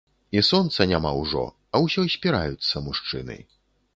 І сонца няма ўжо, а ўсё спіраюцца мужчыны.